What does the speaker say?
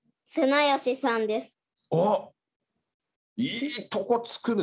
いいとこ突くね。